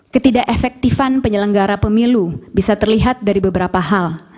ketidak efektifan penyelenggara pemilu bisa terlihat dari beberapa hal